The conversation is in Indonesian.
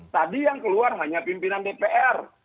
tadi yang keluar hanya pimpinan dpr